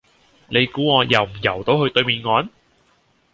你估我游唔游到去對面岸？